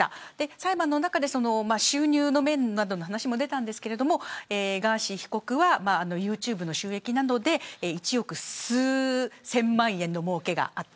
裁判の中で収入の面などの話も出ましたがガーシー被告はユーチューブの収益などで１億数千万円のもうけがあった。